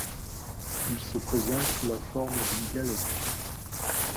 Il se présente sous la forme d’une galette.